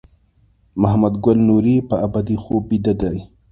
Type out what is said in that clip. محمد ګل نوري په ابدي خوب بیده دی.